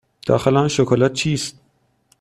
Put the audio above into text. داخل آن شکلات چیست؟